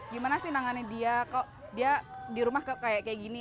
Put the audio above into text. gimana sih nangannya dia kok dia di rumah kayak gini